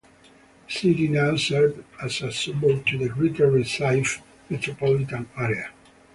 The city now serves as a suburb to the greater Recife metropolitan area.